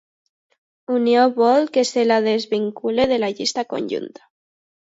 Unió vol que se la desvinculi de la llista conjunta